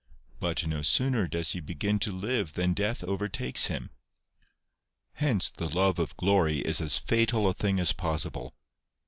But no sooner does he begin to live than death overtakes him. Hence the love of glory is as fatal a thing as possible.